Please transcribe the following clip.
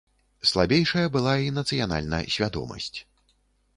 Слабейшая была і нацыянальна свядомасць.